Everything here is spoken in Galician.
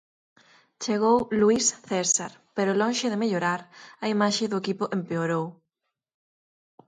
Chegou Luís César, pero lonxe de mellorar, a imaxe do equipo empeorou.